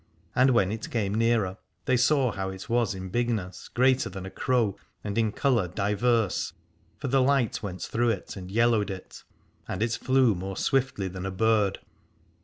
And when it came nearer they saw how it was in bigness greater than a crow and in colour diverse : for the light went through it and yellowed it, and it flew more swiftly than a bird.